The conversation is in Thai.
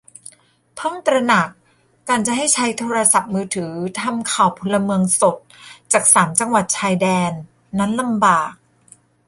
เพิ่งตระหนัก : การจะให้ใช้โทรศัพท์มือถือทำข่าวพลเมืองสดจากสามจังหวัดชายแดน นั้นลำบาก